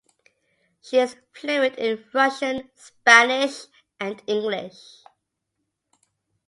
She is fluent in Russian, Spanish and English.